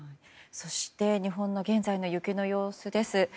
そして日本の現在の雪の様子です。